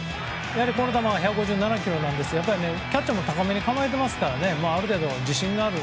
この球は１５７キロですがキャッチャーも高めに構えていますからある程度自信のある。